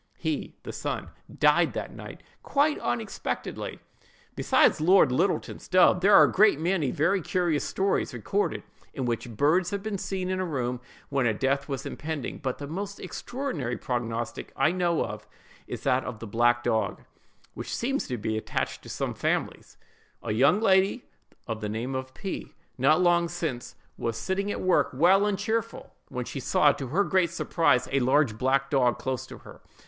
He (the son) died that night quite unexpectedly. Besides Lord Littleton's dove, there are a great many very curious stories recorded in which birds have been seen in a room when a death was impending; but the most extraordinary prognostic I know is that of "the black dog," which seems to be attached to some families:— A young lady of the name of P——, not long since was sitting at work, well and cheerful, when she saw, to her great surprise, a large black dog close to her.